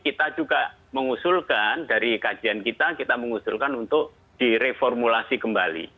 kita juga mengusulkan dari kajian kita kita mengusulkan untuk direformulasi kembali